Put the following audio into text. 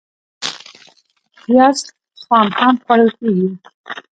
پیاز خام هم خوړل کېږي